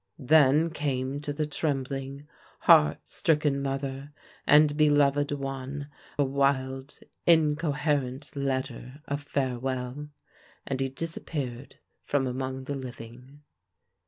Then came to the trembling, heart stricken mother and beloved one a wild, incoherent letter of farewell, and he disappeared from among the living.